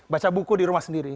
baca buku di rumah sendiri